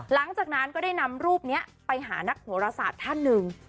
หลังจากนั้นก็ได้นำรูปนี้ไปหานักโหรศาสตร์ท่านหนึ่ง